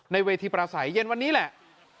เวทีประสัยเย็นวันนี้แหละ